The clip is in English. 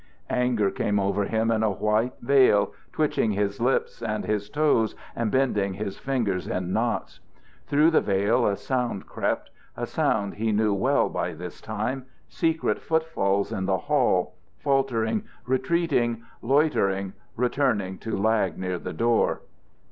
Anger came over him in a white veil, twitching his lips and his toes and bending his fingers in knots. Through the veil a sound crept, a sound he knew well by this time, secret footfalls in the hall, faltering, retreating, loitering returning to lag near the door.